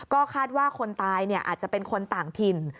ก็คาดว่าคนตายอาจจะเป็นคนต่างถิ่น